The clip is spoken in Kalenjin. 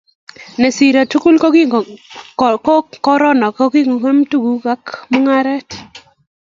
Nesirei tugul ko korona kikongem tuguk ak mungaret